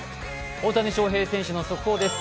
大谷翔平選手の速報です。